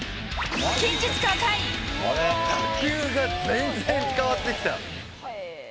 打球が全然変わってきた。